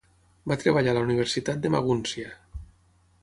Va treballar a la Universitat de Magúncia.